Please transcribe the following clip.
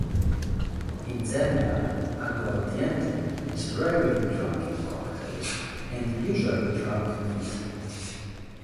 In general, aguardiente is rarely drunk in cocktails, and usually drunk neat.